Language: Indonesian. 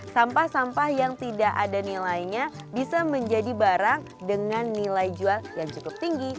sampah sampah yang tidak ada nilainya bisa menjadi barang dengan nilai jual yang cukup tinggi